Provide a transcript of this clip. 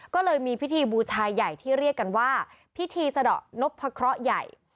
ก็เลยมีพิธีบูชายใหญ่ที่เรียกกันว่าพิธีสะดอกนพะเคราะห์ใหญ่